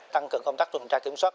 tăng cường công tác điều tra kiểm soát